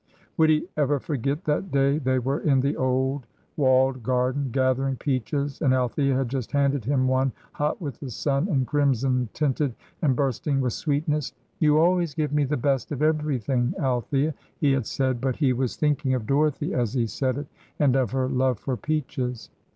Would he ever forget that day they were in the old walled garden, gathering peaches, and Althea had just handed him one, hot with the sun, and crimson tinted, and bursting with sweetness? "You always give me the best of everything, Althea," he had said; but he was thinking of Dorothy as he said it, and of her love for peaches.